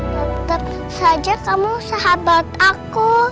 tetap saja kamu sahabat aku